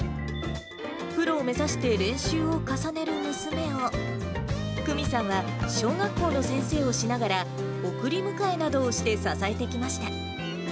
プロを目指して練習を重ねる娘を、久美さんは小学校の先生をしながら、送り迎えなどをして支えてきました。